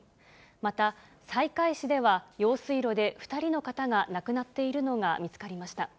また、西海市では用水路で２人の方が亡くなっているのが見つかりました。